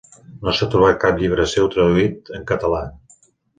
No s'ha trobat cap llibre seu traduït en català.